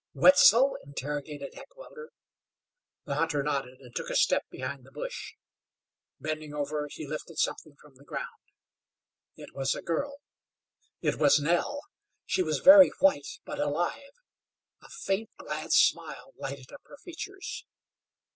"Wetzel?" interrogated Heckewelder. The hunter nodded, and took a step behind the bush. Bending over he lifted something from the ground. It was a girl. It was Nell! She was very white but alive. A faint, glad smile lighted up her features.